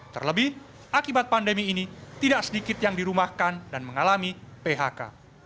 terlebih akibat pandemi ini tidak sedikit yang dirumahkan dan mengalami phk